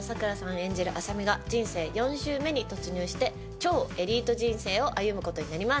演じる麻美が人生４周目に突入して、超エリート人生を歩むことになります。